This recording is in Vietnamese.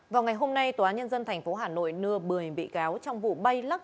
vào ngày hôm nay tòa án nhân dân tp hà nội nưa bười bị gáo trong vụ bay lắc